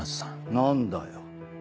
何だよ。